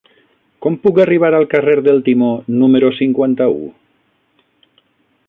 Com puc arribar al carrer del Timó número cinquanta-u?